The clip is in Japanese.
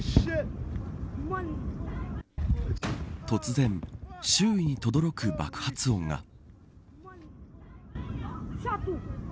突然周囲にとどろく爆発音が。